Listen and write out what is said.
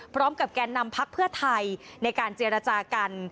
พร้อมกับแกนนำพรรคเพื่อไทยในการเจรจากัน